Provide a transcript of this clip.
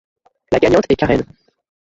La gagnante est Karen.